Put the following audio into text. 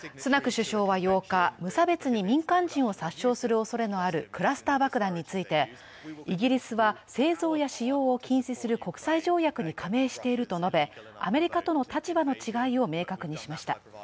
首相は８日、無差別に民間人を殺傷するおそれのあるクラスター爆弾について、イギリスは製造や使用を禁止する国際条約に加盟していると述べ、アメリカとの立場の違いを明確にしました。